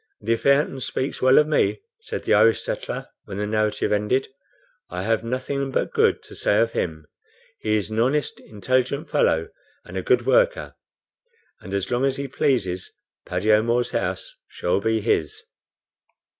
"And if Ayrton speaks well of me," said the Irish settler, when the narrative ended, "I have nothing but good to say of him. He is an honest, intelligent fellow and a good worker; and as long as he pleases, Paddy O'Moore's house shall be his."